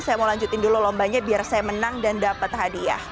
saya mau lanjutin dulu lombanya biar saya menang dan dapat hadiah